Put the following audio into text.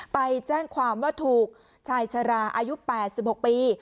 ไปแจ้งความว่าถูกชายชะลาอายุ๘๖ปี